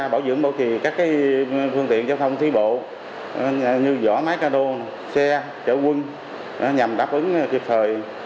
bảo dưỡng bảo trì các phương tiện giao thông thi bộ như vỏ máy cano xe chở quân nhằm đáp ứng thiệt thời